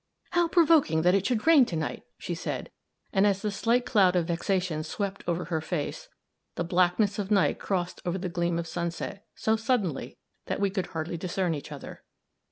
"How provoking that it should rain to night," she said, and as the slight cloud of vexation swept over her face, the blackness of night closed over the gleam of sunset, so suddenly that we could hardly discern each other.